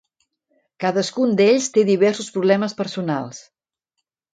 Cadascun d'ells té diversos problemes personals.